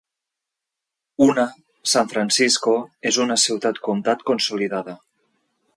Una, San Francisco, és una ciutat-comtat consolidada.